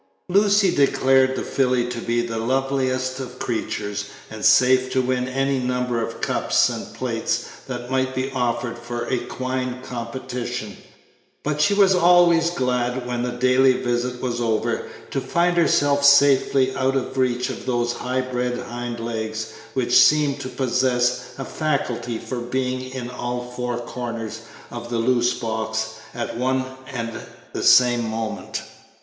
Lucy declared the filly to be the loveliest of creatures, and safe to win any number of cups and plates that might be offered for equine competition; but she was always glad, when the daily visit was over, to find herself safely out of reach of those high bred hind legs, which seemed to possess a faculty for being in all four corners of the loose box at one and the same moment.